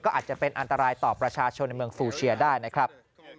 อาจจะเป็นอันตรายต่อประชาชนในเมืองฟูเชียได้นะครับ